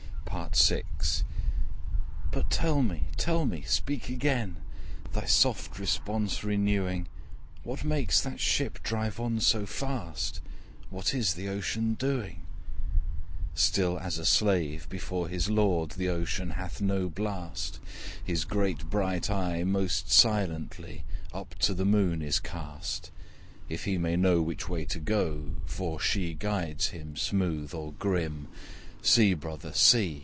Part VI First Voice "'But tell me, tell me! speak again, Thy soft response renewing What makes that ship drive on so fast? What is the ocean doing?' Second Voice 'Still as a slave before his lord, The ocean hath no blast; His great bright eye most silently Up to the Moon is cast If he may know which way to go; For she guides him smooth or grim. See, brother, see!